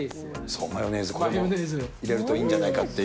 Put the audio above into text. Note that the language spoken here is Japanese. マヨネーズ、これを入れるといいんじゃないかっていう。